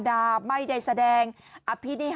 โอ้ยโอ้ยโอ้ยโอ้ยโอ้ย